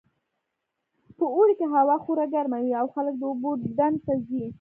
په اوړي کې هوا خورا ګرمه وي او خلک د اوبو ډنډ ته ځي